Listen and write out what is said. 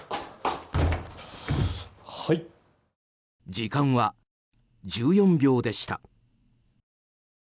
時間は１４秒でした。